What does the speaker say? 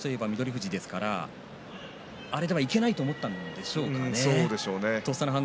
富士ですからあれではいけないと思ったんですかね